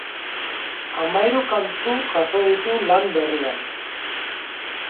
Hamahiru kantu jaso ditu lan berrian.